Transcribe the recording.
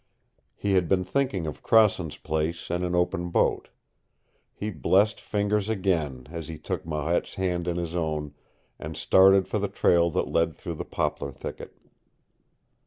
He had been thinking of Crossen's place and an open boat. He blessed Fingers again, as he took Marette's hand in his own and started for the trail that led through the poplar thicket.